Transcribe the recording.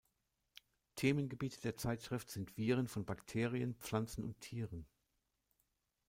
Themengebiete der Zeitschrift sind Viren von Bakterien, Pflanzen und Tieren.